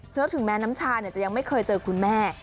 แล้วถึงแม้น้ำชาจะยังไม่เคยเจอคุณแม่